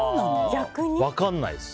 分かんないです。